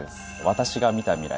「私が見た未来」